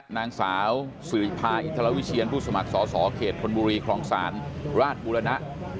นางสาวสิริภาอิทรวิเชียนผู้สมัครสอสอเขตธนบุรีคลองศาลราชบุรณะ